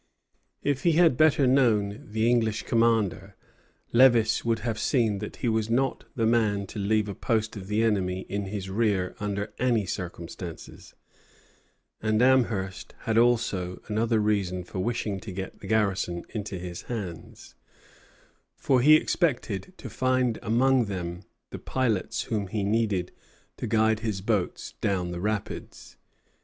If he had better known the English commander, Lévis would have seen that he was not the man to leave a post of the enemy in his rear under any circumstances; and Amherst had also another reason for wishing to get the garrison into his hands, for he expected to find among them the pilots whom he needed to guide his boats down the rapids.